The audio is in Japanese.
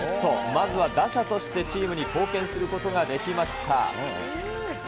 まずは打者としてチームに貢献することができました。